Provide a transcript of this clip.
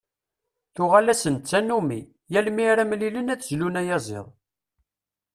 Tuɣal-asen d tannumi: yal mi ara mlilen ad d-zlun ayaziḍ.